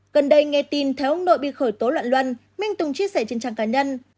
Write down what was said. gần đây nghe tin theo ông nội bị khởi tố loạn luân minh tùng chia sẻ trên trang cá nhân